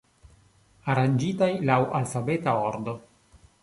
Aranĝitaj laŭ alfabeta ordo.